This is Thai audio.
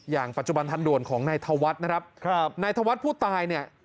อย่างปัจจุบันทันด่วนของนายธวัฒน์นะครับนายธวัฒน์ผู้ตายเนี่ย